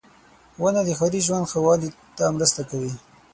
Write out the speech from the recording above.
• ونه د ښاري ژوند ښه والي ته مرسته کوي.